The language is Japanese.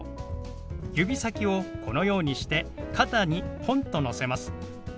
指先をこのようにして肩にポンとのせます。